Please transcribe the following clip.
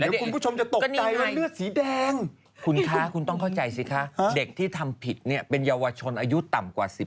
เดี๋ยวคุณผู้ชมจะตกใจว่าเลือดสีแดงคุณคะคุณต้องเข้าใจสิคะเด็กที่ทำผิดเนี่ยเป็นเยาวชนอายุต่ำกว่า๑๘